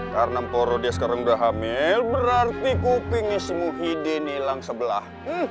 karena emporo dia sekarang udah hamil berarti kupingnya si muhyiddin hilang sebelah